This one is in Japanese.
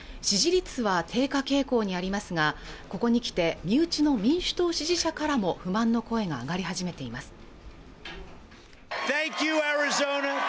支持率は低下傾向にありますがここに来て身内の民主党支持者からも不満の声が上がり始めています